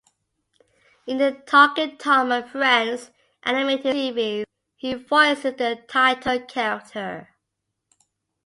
In the "Talking Tom and Friends" animated series, he voices the title character.